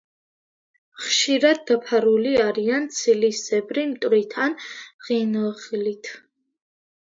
ხშირად დაფარული არიან ცვილისებრი მტვრით ან ღინღლით.